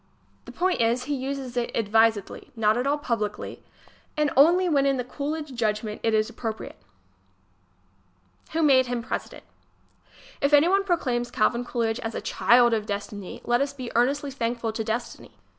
The point is, he uses it advisedly, not at all publicly ŌĆö and only when in the Coolidge judgment it is appropriate. HAVE FAITH IN COOLIDGE! Who Made Him President ? If anyone proclaims Calvin Coolidge a "child of destiny," let us be earnestly thankful to Destiny.